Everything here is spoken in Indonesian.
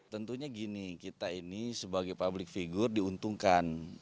tentunya gini kita ini sebagai publik figur diuntungkan